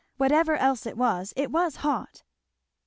whatever else it was it was hot!